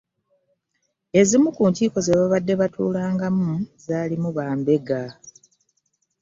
Ezimu ku nkiiko ze babadde batuulangamu zalimu bambega.